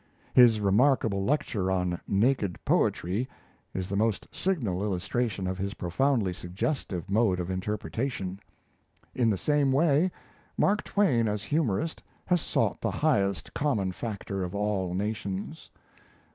His remarkable lecture on 'Naked Poetry' is the most signal illustration of his profoundly suggestive mode of interpretation. In the same way, Mark Twain as humorist has sought the highest common factor of all nations.